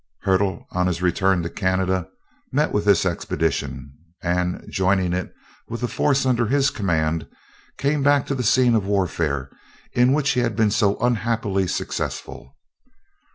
Hertel, on his return to Canada, met with this expedition, and, joining it with the force under his command, came back to the scene of warfare in which he had been so unhappily successful.